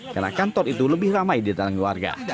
karena kantor itu lebih ramai di dalam keluarga